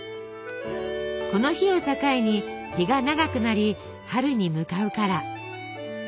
この日を境に日が長くなり春に向かうから。